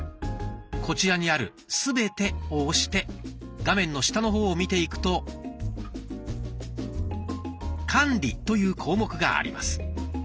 こちらにある「すべて」を押して画面の下の方を見ていくと「管理」という項目があります。